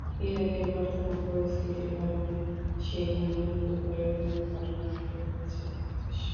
ইরাকের বর্তমান পরিস্থিতির কারণে সেখানে নতুন করে কর্মী পাঠানো বন্ধ রেখেছে বাংলাদেশ।